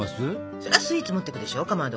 そりゃスイーツ持っていくでしょかまど。